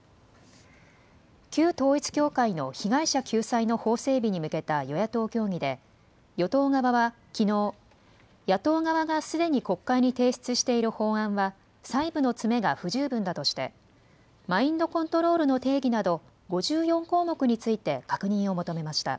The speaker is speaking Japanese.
旧統一教会の被害者救済の法整備に向けた与野党協議で与党側はきのう野党側がすでに国会に提出している法案は細部の詰めが不十分だとしてマインドコントロールの定義など５４項目について確認を求めました。